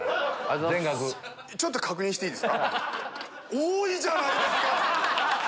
多いじゃないですか！